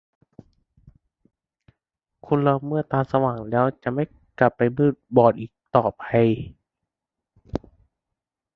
คนเราเมื่อตาสว่างแล้ว จะไม่กลับไปมืดบอดอีกต่อไป